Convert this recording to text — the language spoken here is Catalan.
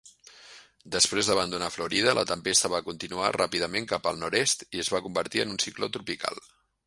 Després d'abandonar Florida, la tempesta va continuar ràpidament cap al nord-est i es va convertir en un cicló tropical.